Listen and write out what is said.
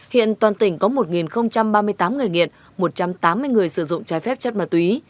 hiện toàn tỉnh có một ba mươi tám người nghiện một trăm tám mươi người sử dụng trái phép chất ma túy